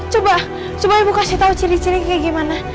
coba coba ibu kasih tahu ciri ciri kayak gimana